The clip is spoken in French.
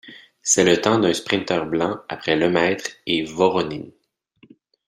C'est le temps d'un sprinteur blanc après Lemaitre et Woronin.